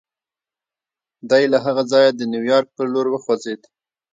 دی له هغه ځايه د نيويارک پر لور وخوځېد.